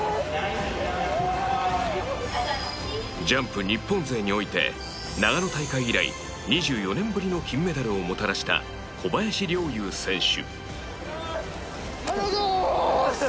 ジャンプ日本勢において長野大会以来、２４年ぶりの金メダルをもたらした小林陵侑選手